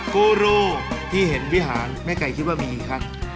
กูรูที่เห็นวิหารแม่ไก่คิดว่ามีกี่ขั้น